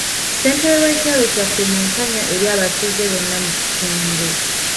Ssentebe w'ekyalo kyaffe mwenkanya eri abatuuze bonna mu kitundu.